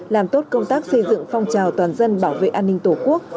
làm tốt công tác xây dựng phong trào toàn dân bảo vệ an ninh tổ quốc